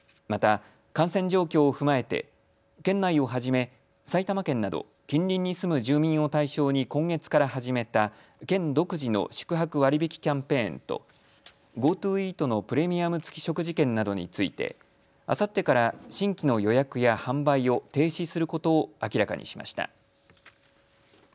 また感染状況を踏まえて県内をはじめ埼玉県など近隣に住む住民を対象に今月から始めた県独自の宿泊割引キャンペーンとＧｏＴｏイートのプレミアム付き食事券などについてあさってから新規の予約や販売を停止することを明らかにしました。